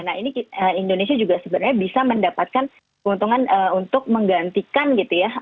nah ini indonesia juga sebenarnya bisa mendapatkan keuntungan untuk menggantikan gitu ya